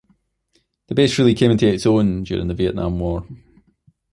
The base really came into its own during the Vietnam War.